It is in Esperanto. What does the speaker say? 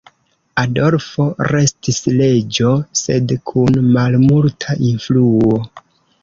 Adolfo restis reĝo, sed kun malmulta influo.